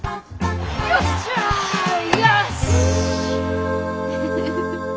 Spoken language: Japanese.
よっしゃよし！